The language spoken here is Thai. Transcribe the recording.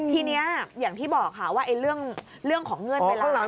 ทีนี้อย่างที่บอกค่ะว่าเรื่องของเงื่อนเวลา